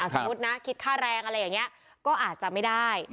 สมมุตินะคิดค่าแรงอะไรอย่างนี้ก็อาจจะไม่ได้